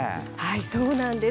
そうなんです。